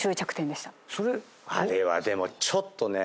あれはでもちょっとね